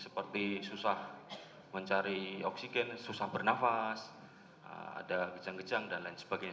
seperti susah mencari oksigen susah bernafas ada gejang gejang dan lain sebagainya